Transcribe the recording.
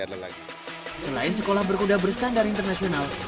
selain sekolah berkuda berstandar internasional